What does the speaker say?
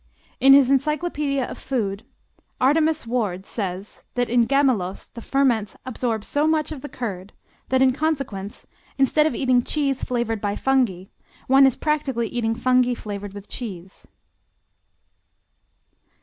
In his Encyclopedia of Food Artemas Ward says that in Gammelost the ferments absorb so much of the curd that "in consequence, instead of eating cheese flavored by fungi, one is practically eating fungi flavored with cheese."